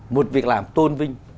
một việc làm tôn vinh